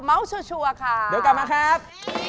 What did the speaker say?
เมาส์ชัวร์ค่ะเดี๋ยวกลับมาครับ